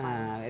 itu dah mulai